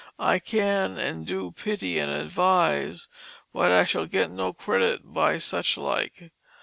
I can, and do, pity and advise, but I shall get no credit by such like.